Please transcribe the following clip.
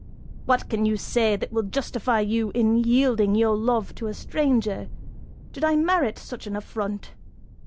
What can you say that will justify you in yielding your love to a stranger? Did I merit such an affront'?"